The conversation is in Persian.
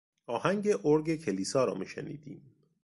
آهنگ ارگ کلیسا را میشنیدیم.